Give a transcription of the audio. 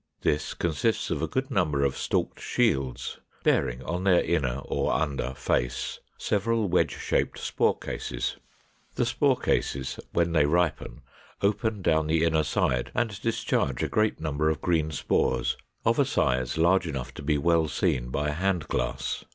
This consists of a good number of stalked shields, bearing on their inner or under face several wedge shaped spore cases. The spore cases when they ripen open down the inner side and discharge a great number of green spores of a size large enough to be well seen by a hand glass.